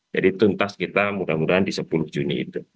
jadi tuntas kita mudah mudahan di sepuluh juni itu